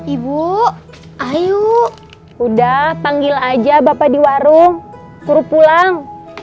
ibu ayo udah panggil aja bapak di warung suruh pulang